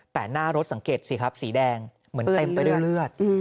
แต่หน้ารถสังเกตสิครับสีแดงเหมือนเต็มไปด้วยเลือด